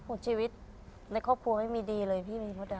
ชีวิตในครอบครัวไม่มีดีเลยพี่มีมดดำ